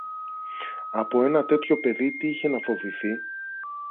Από ένα τέτοιο παιδί τι είχε να φοβηθεί;